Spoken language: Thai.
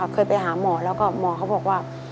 เคยไปหาหมอแล้วก็หมอเขาบอกว่า